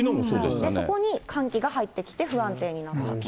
そこに寒気が入ってきて、不安定になったと。